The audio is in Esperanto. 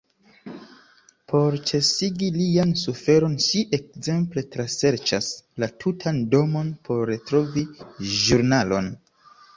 Por ĉesigi lian suferon ŝi ekzemple traserĉas la tutan domon por retrovi ĵurnalon.